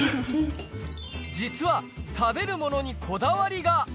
実は食べるものにこだわりが。